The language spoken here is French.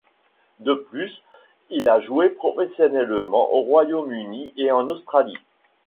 De plus il a joué professionnellement au Royaume-Uni et en Australie.